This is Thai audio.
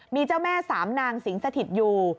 มีเจ้าแม่สามนางสิงศักดิ์สถิตย์อยู่